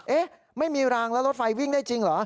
ไม่มีรางแล้วรถไฟวิ่งได้จริงเหรอ